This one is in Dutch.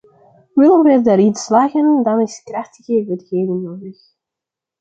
Willen we daarin slagen, dan is krachtige wetgeving nodig.